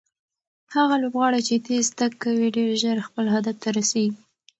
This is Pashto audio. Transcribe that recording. هغه لوبغاړی چې تېز تګ کوي ډېر ژر خپل هدف ته رسیږي.